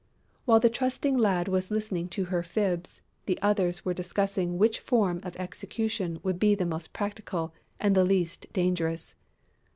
While the trusting lad was listening to her fibs, the others were discussing which form of execution would be the most practical and the least dangerous.